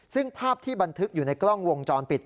ซึ่งภาพที่บันทึกอยู่ในกล้องวงจรปิด